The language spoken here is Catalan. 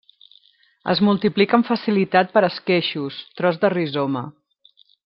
Es multiplica amb facilitat per esqueixos, tros de rizoma.